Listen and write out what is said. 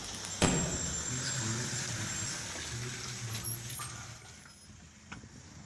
With these words he disappeared among the crowd.